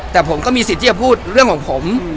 แต่ผมก็มีสิทธิ์ที่จะพูดเรื่องของผม